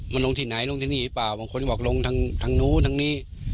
มันลงที่ไหนลงที่นี่หรือเปล่าบางคนก็บอกลงทางนู้นทางนี้